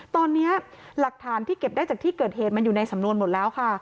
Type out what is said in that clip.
ตอนนี้หลักฐานที่เก็บได้จากที่เกิดเหตุมันอยู่ในสำนวนหมดแล้วค่ะ